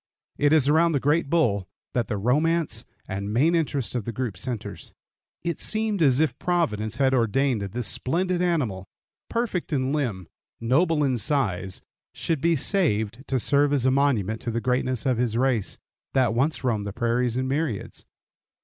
It is around the great bull that the romance and main interest of the group centers. It seemed as if Providence had ordained that this splendid animal, perfect in limb, noble in size, should be saved to serve as a monument to the greatness of his race, that once roamed the prairies in myriads.